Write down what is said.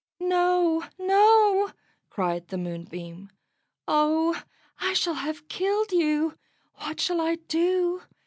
"No, no," cried the Moonbeam. "Oh, I shall have killed you! What shall I do?